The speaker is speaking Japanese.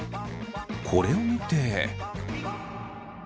これを見て。